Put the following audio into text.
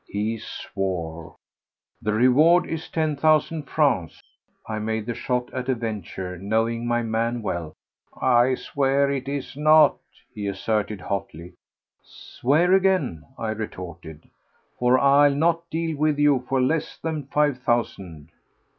He swore. "The reward is ten thousand francs." I made the shot at a venture, knowing my man well. "I swear that it is not," he asserted hotly. "Swear again," I retorted, "for I'll not deal with you for less than five thousand."